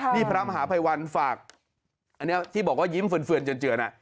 นี่พระมหาภัยวันฝากอันนี้ที่บอกว่ายิ้มเฟือนเจือน